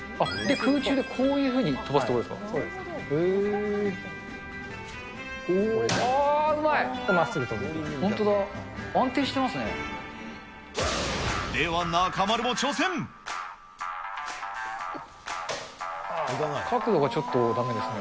空中でこういうふうに飛ばすっていうことですか。